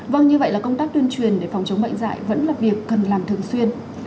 vâng như vậy là công tác tuyên truyền để phòng chống bệnh dạy vẫn là việc cần làm thường xuyên